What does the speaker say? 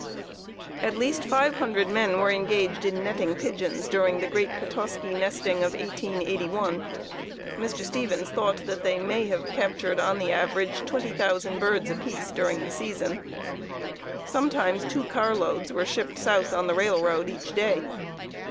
"At least five hundred men were engaged in netting pigeons during the great Petoskey nesting of 1881. Mr. Stevens thought that they may have captured on the average 20,000 birds apiece during the season. Sometimes two carloads were shipped south on the railroad each day.